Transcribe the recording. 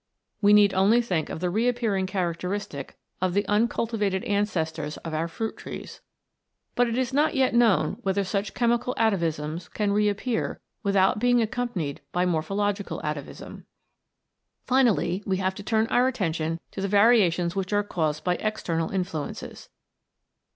We need only think of the reappearing characteristic of the uncultivated ancestors of our fruit trees. But it is not yet known whether such chemical atavisms can reappear without being accompanied by morphological atavism. Finally, we have to turn our attention to the variations which are caused by external influences.